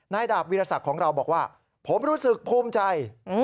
ดาบวิรสักของเราบอกว่าผมรู้สึกภูมิใจ